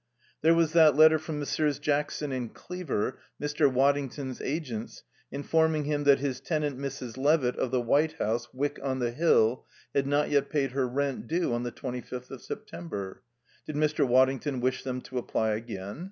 There was that letter from Messrs. Jackson and Cleaver, Mr. Waddington's agents, informing him that his tenant, Mrs. Levitt, of the White House, Wyck on the Hill, had not yet paid her rent due on the twenty fifth of September. Did Mr. Waddington wish them to apply again?